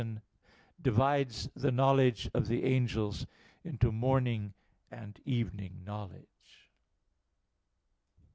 Dei xii, 7, 20) divides the knowledge of the angels into morning and evening knowledge.